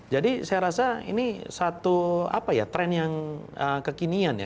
jadi saya rasa ini satu apa ya tren yang kekinian ya